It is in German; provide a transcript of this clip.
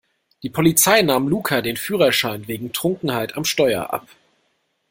Die Polizei nahm Luca den Führerschein wegen Trunkenheit am Steuer ab.